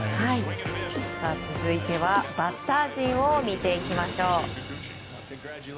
続いてはバッター陣を見ていきましょう。